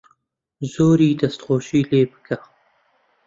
زۆری دەسخۆشی لێ بکە